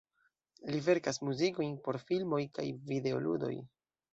Li verkas muzikojn por filmoj kaj videoludoj.